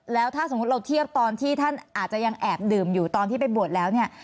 แล้วถ้าสมมุติเราเทียบตอนที่ท่านอาจจะยังแอบดื่มอยู่ตอนที่ไปบวชแล้วเนี่ย